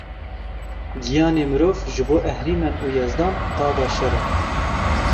Giyanê mirov ji bo Ehrîmen û Yezdan qada şer e.